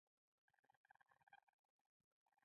د فرصت پر مهال د راتګ وعده وکړه.